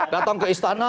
datang ke istana